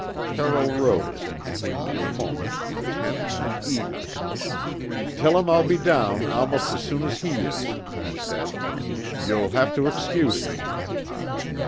Carroll rose and became in a moment intent and eager. "Tell him I'll be down almost as soon as he is," he said. "You'll have to excuse me."